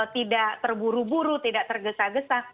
tidak terburu buru tidak tergesa gesa